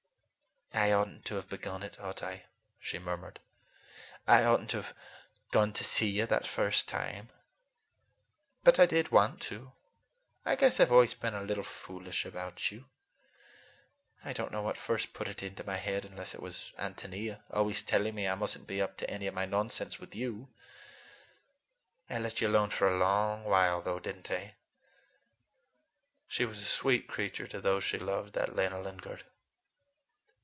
"I ought n't to have begun it, ought I?" she murmured. "I ought n't to have gone to see you that first time. But I did want to. I guess I've always been a little foolish about you. I don't know what first put it into my head, unless it was Ántonia, always telling me I must n't be up to any of my nonsense with you. I let you alone for a long while, though, did n't I?" She was a sweet creature to those she loved, that Lena Lingard!